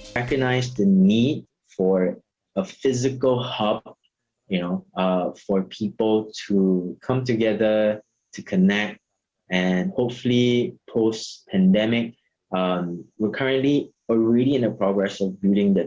saya mengenal pasti kebutuhan untuk membuat kripto hub secara fisikal untuk orang orang berkumpul berhubungan dan semoga setelah pandemi